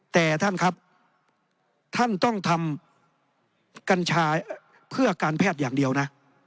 แต่ท่านครับท่านต้องทำกัญชาเพื่อการแพทย์อย่างเดียวนะ